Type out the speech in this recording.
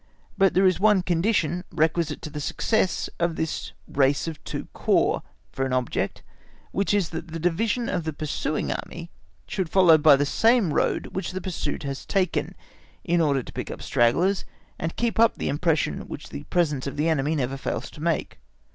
But there is one condition requisite to the success of this race of two Corps for an object, which is that a Division of the pursuing army should follow by the same road which the pursued has taken, in order to pick up stragglers, and keep up the impression which the presence of the enemy never fails to make.